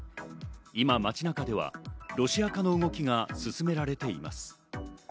今、街中ではロシア化の動きが進められています。